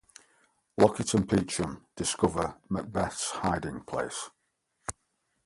Lockit and Peachum discover Macheath's hiding place.